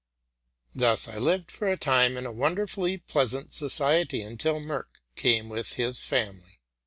Thus I lived for a time in a wonderfully pleasant society, until Merck came with his family.